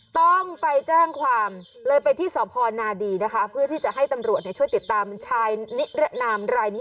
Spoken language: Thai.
ต้องไปแจ้งความเลยไปที่สพนาดีนะคะเพื่อที่จะให้ตำรวจช่วยติดตามชายนิรนามรายนี้